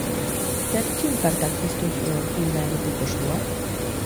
Zer txinpartak piztu zuen filma egiteko sua?